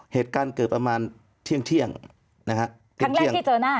เหตุการณ์เกิดประมาณเที่ยงนะครับ